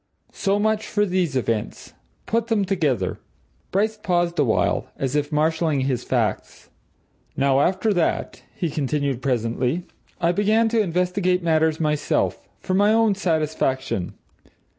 So much for these events. Put them together." Bryce paused awhile, as if marshalling his facts. "Now, after that," he continued presently, "I began to investigate matters myself for my own satisfaction.